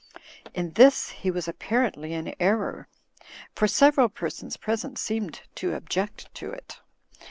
In this he was apparently in error ; for several per sons present seemed to object to it.